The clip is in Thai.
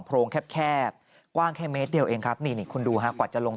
โรงแคบกว้างแค่เมตรเดียวเองครับนี่นี่คุณดูฮะกว่าจะลง